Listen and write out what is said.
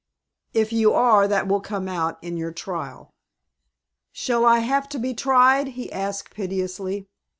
"If you are, that will come out on your trial." "Shall I have to be tried?" he asked, piteously.